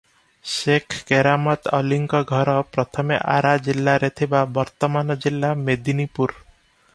ସେଖ କେରାମତ୍ ଅଲିଙ୍କ ଘର ପ୍ରଥମେ ଆରା ଜିଲ୍ଲାରେ ଥିବା, ବର୍ତ୍ତମାନ ଜିଲ୍ଲା ମେଦୀନିପୁର ।